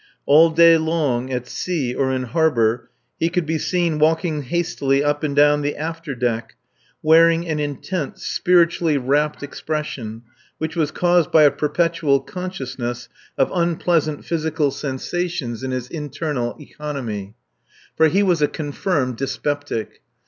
All day long, at sea or in harbour, he could be seen walking hastily up and down the after deck, wearing an intense, spiritually rapt expression, which was caused by a perpetual consciousness of unpleasant physical sensations in his internal economy. For he was a confirmed dyspeptic.